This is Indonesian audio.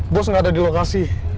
bos nggak ada di lokasi